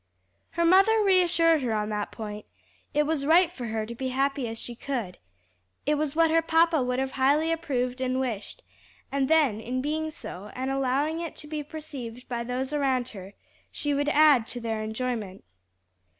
Her mother reassured her on that point: it was right for her to be as happy as she could; it was what her papa would have highly approved and wished; and then in being so and allowing it to be perceived by those around her, she would add to their enjoyment.